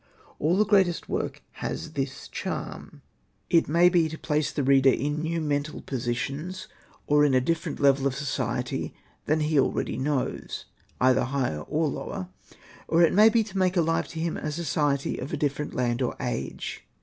All the greatest work has this charm. It may be to place the reader Hosted by Google PREFACE vii in new mental positions, or in a different level of the society that he already knows, either higher or lower ; or it may be to make alive to him a society of a different land or age.